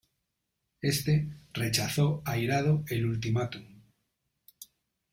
Éste rechazó airado el ultimátum.